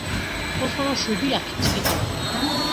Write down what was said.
Fosforo zuriak txikitu du.